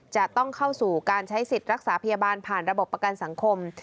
จะต้องเข้าสู่การใช้สิทธิ์รักษาพยาบาลผ่านระบบประกันสังคม